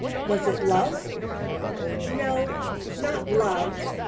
Was it love? No: not love.